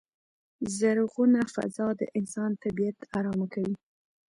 زرغونه فضا د انسان طبیعت ارامه کوی.